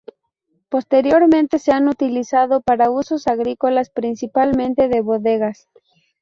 Posteriormente se han utilizado para usos agrícolas, principalmente de bodegas.